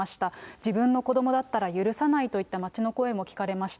自分の子どもだったら許さないといった街の声も聞かれました。